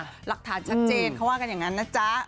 หลักฐานชัดเจนเขาว่ากันอย่างนั้นนะจ๊ะ